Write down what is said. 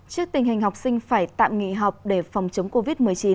trước tình hình học sinh phải tạm nghỉ học để phòng chống covid một mươi chín